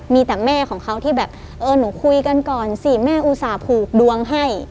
มีแต่แม่ของเขาที่แบบเออหนูคุยกันก่อนสิแม่อุตส่าห์ผูกดวงให้